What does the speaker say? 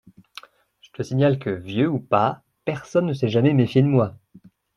Je te signale que, vieux ou pas, personne ne s’est jamais méfié de moi.